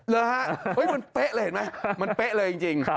เหรอฮะมันเป๊ะเลยเห็นไหมมันเป๊ะเลยจริง